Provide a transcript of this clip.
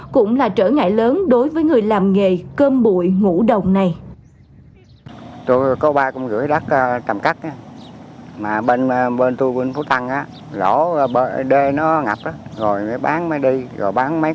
cái ngại lớn đối với người làm nghề cơm bụi ngủ đồng này